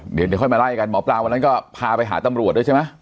เดี๋ยวค่อยมาไล่กันหมอปลาวันนั้นก็พาไปหาตำรวจด้วยใช่ไหม